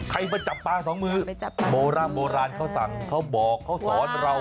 มาจับปลาสองมือโบราณโบราณเขาสั่งเขาบอกเขาสอนเรา